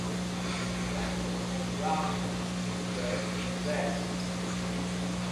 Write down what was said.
The branches are brownish red and bare.